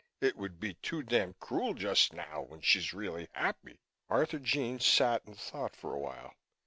"It would be too damn cruel just now when she's really happy." Arthurjean sat and thought for a while.